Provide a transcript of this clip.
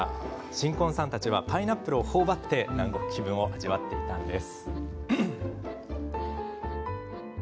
新婚さんたちはパイナップルをほおばって南国気分を味わっていたんです。